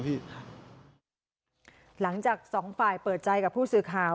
หลังจากสองฝ่ายเปิดใจกับผู้สื่อข่าว